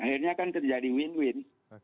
akhirnya kan terjadi win win